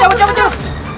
cabut cabut cabut